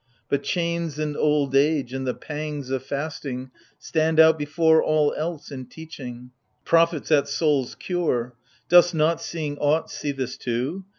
But chains and old age and the pangs of fasting Stand out before all else in teaching, — prophets At souls' cure ! Dost not, seeing aught, see this too